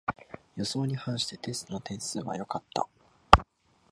予想に反してテストの点数は良かった